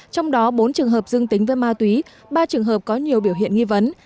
trong đó bốn trường hợp dương tính với ma túy ba trường hợp có nhiều biểu hiện nghi vấn